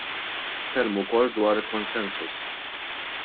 Tkellmu wkoll dwar consensus.